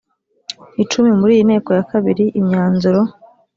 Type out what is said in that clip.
icumi muri iyi nteko ya kabiri imyanzuro